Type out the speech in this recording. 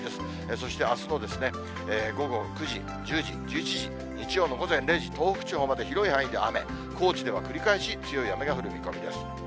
そして、あすの午後９時、１０時、１１時、日曜の午前０時、東北地方の広い範囲で雨、高知では繰り返し強い雨が降る見込みです。